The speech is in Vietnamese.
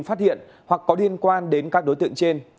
phát hiện hoặc có liên quan đến các đối tượng trên